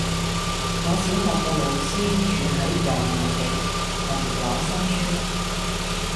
我小學個老師住喺油麻地文華新村